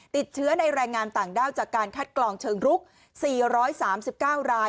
ติดเชื้อในแรงงานต่างด้าวจากการคัดกรองเชิงรุก๔๓๙ราย